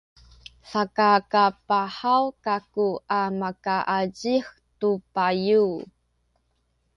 sakakapahaw kaku a makaazih tu bayu’.